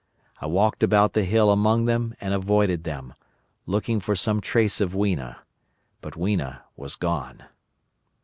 I walked about the hill among them and avoided them, looking for some trace of Weena. But Weena was gone.